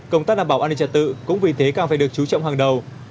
công tác đảm bảo an ninh trạng tự cũng vì thế cao phải được chú trọng hàng đầu